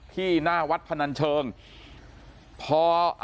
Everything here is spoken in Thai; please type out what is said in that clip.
พี่บูรำนี้ลงมาแล้ว